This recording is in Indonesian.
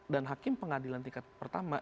dan hakim pengadilan tingkat pertama